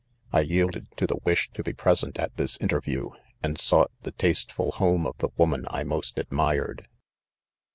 I yielded to the wish to be present at this interview,, and sought the tasteful home of the woman I most admired.